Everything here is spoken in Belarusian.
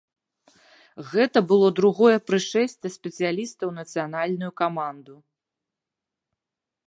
Гэта было другое прышэсце спецыяліста ў нацыянальную каманду.